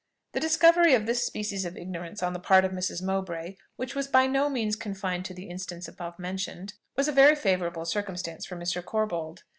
The discovery of this species of ignorance on the part of Mrs. Mowbray, which was by no means confined to the instance above mentioned, was a very favourable circumstance for Mr. Corbold.